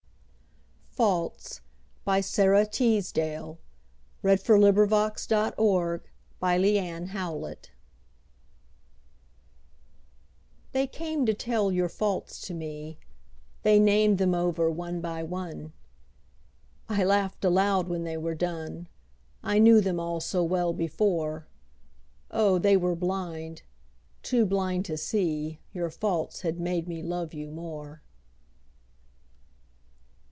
not at all, I owe the open gate That led through heaven's wall. Faults They came to tell your faults to me, They named them over one by one; I laughed aloud when they were done, I knew them all so well before, Oh, they were blind, too blind to see Your faults had made me love you more.